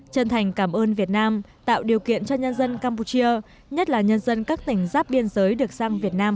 chân thành cảm ơn việt nam tạo điều kiện cho nhân dân campuchia nhất là nhân dân các tỉnh giáp biên giới được sang việt nam